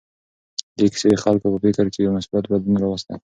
دې کیسې د خلکو په فکر کې یو مثبت بدلون راوستی.